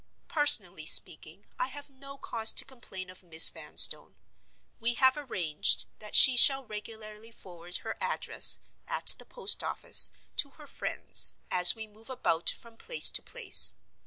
Personally speaking, I have no cause to complain of Miss Vanstone. We have arranged that she shall regularly forward her address (at the post office) to her friends, as we move about from place to place.